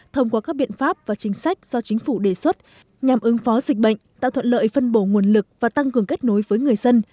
thông qua các biện pháp và chính sách do chính phủ đề xuất nhằm ứng phó dịch bệnh tạo thuận lợi phân bổ nguồn lực và tăng cường kết nối với người dân